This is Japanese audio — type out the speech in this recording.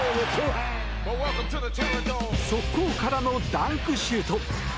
速攻からのダンクシュート！